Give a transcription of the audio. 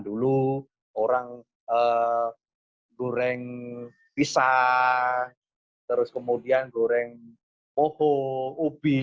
dulu orang goreng pisah terus kemudian goreng poho ubi